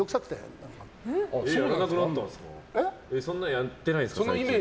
そんなのやってないんですか？